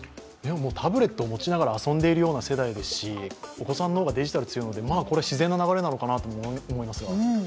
タブレットを持ちながら遊んでいる世代ですしお子さんの方がデジタル強いので、自然な流れなのかなと思いますが。